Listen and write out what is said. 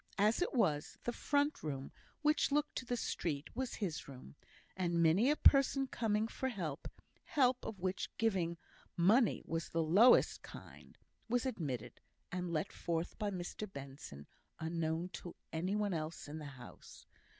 As it was, the front room, which looked to the street, was his room; and many a person coming for help help of which giving money was the lowest kind was admitted, and let forth by Mr Benson, unknown to any one else in the house.